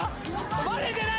バレてない！